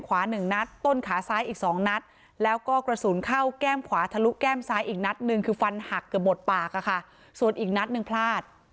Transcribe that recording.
ขวาทะลุแก้มซ้ายอีกนัดหนึ่งคือฟันหักเกือบหมดปากค่ะส่วนอีกนัดหนึ่งพลาด